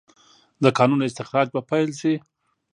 د کانونو استخراج به پیل شي؟